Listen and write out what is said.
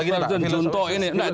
pak begini pak